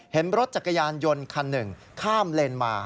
เห็นรถจักรยานยนต์คันหนึ่งข้ามเลนมา